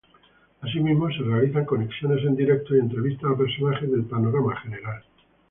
Asimismo, se realizan conexiones en directo y entrevistas a personajes del panorama general.